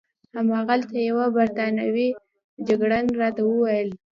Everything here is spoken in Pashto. هماغلته یوه بریتانوي جګړن راته وویل.